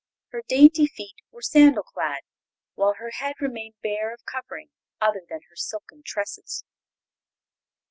Her dainty feet were sandal clad, while her head remained bare of covering other than her silken tresses.